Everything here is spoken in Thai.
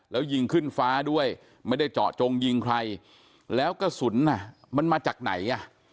แล้วยิงขึ้นฟ้าด้วยไม่ได้เจาะจงยิงใครแล้วกระสุนน่ะมันมาจากไหนอ่ะ